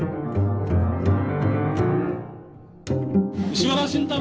石原慎太郎